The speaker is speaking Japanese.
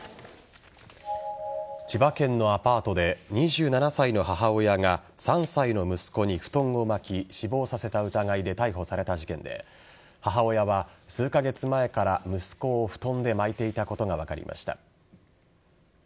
千葉県のアパートで２７歳の母親が３歳の息子に布団を巻き死亡させた疑いで逮捕された事件で母親は、数カ月前から息子を布団で巻いていたことが分かりました。